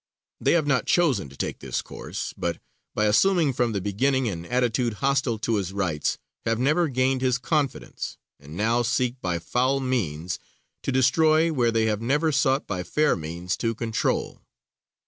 They have not chosen to take this course, but by assuming from the beginning an attitude hostile to his rights, have never gained his confidence, and now seek by foul means to destroy where they have never sought by fair means to control.